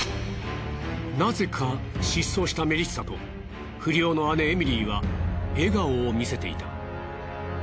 なぜか失踪したメリッサと不良の姉エミリーは笑顔を見せていた。